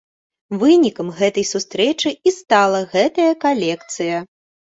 Вынікам гэтай сустрэчы і стала гэтая калекцыя.